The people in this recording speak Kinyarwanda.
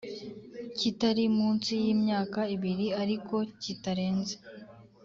kitari munsi y imyaka ibiri ariko kitarenze